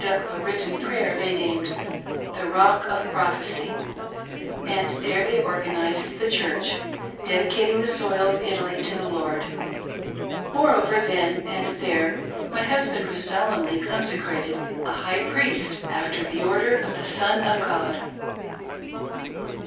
up a written prayer, they named "The Rock of Prophecy" ; and there they organised the church — dedicating the soil of Italy to the Lord. Moreover, then and there, my husband was solemnly consecrated a " High Priest, after the Order of the Son of God."